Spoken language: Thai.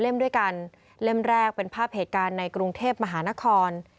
ด้วยกันเล่มแรกเป็นภาพเหตุการณ์ในกรุงเทพมหานคร